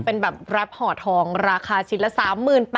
เป็นแบบแรปห่อทองราคาชิ้นละ๓๘๐๐